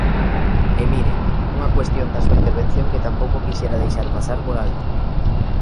E mire, unha cuestión da súa intervención que tampouco quixera deixar pasar por alto.